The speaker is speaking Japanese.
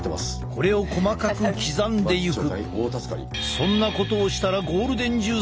これを細かく刻んでいく。